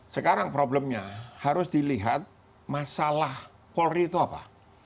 sekarang problemnya harus dilihat masalah polri itu apa